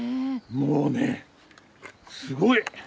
もうねすごい。